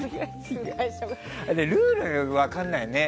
ルール分からないよね。